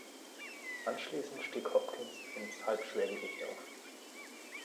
Anschließend stieg Hopkins ins Halbschwergewicht auf.